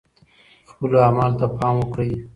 خپلو اعمالو ته پام وکړئ.